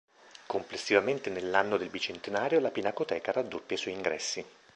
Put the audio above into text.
Complessivamente nell'anno del bicentenario la Pinacoteca raddoppia i suoi ingressi.